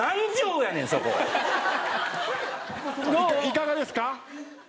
いかがですか？